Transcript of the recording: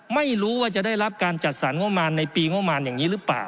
ไม่รู้ว่าจะได้รับการจัดสรรงบมารในปีงบประมาณอย่างนี้หรือเปล่า